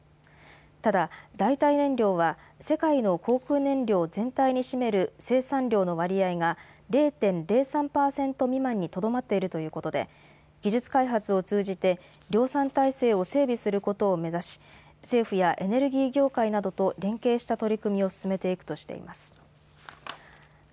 ただ、代替燃料は世界の航空燃料全体に占める生産量の割合が０．０３％未満にとどまっているということで技術開発を通じて量産体制を整備することを目指し政府やエネルギー業界などと連携した取り組みを進めていくとしています。